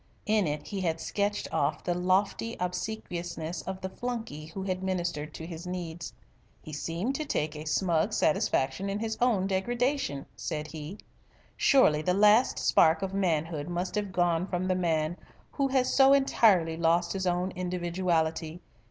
In it he had sketched off the lofty obsequiousness of the flunkey who had ministered to his needs. "He seemed to take a smug satisfaction in his own degradation," said he. "Surely the last spark of manhood must have gone from the man who has so entirely lost his own individuality.